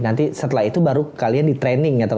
nanti setelah itu baru kalian di training atau